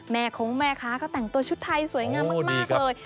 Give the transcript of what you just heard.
คงแม่ค้าก็แต่งตัวชุดไทยสวยงามมากเลย